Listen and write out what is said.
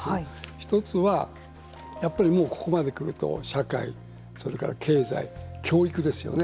１つはやっぱりもうここまで来ると社会、それから経済教育ですよね。